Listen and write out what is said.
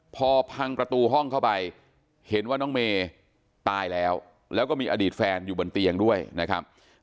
พอพังประตูห้องเข้าไปเห็นว่าน้องเมย์ตายแล้วแล้วก็มีอดีตแฟนอยู่บนเตียงด้วยนะครับ